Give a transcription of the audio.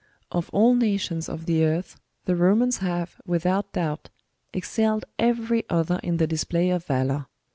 Of all nations of the earth, the Romans have, without doubt, excelled every other in the display of vtdour.